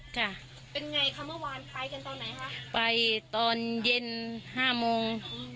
ค่ะเป็นไงคะเมื่อวานไปกันตอนไหนคะไปตอนเย็นห้าโมง